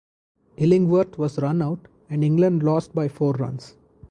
Illingworth was run out, and England lost by four runs.